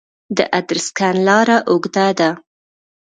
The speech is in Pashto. د ادرسکن لاره اوږده ده